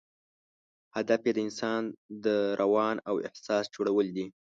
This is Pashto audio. هدف یې د انسان د روان او احساس جوړول دي.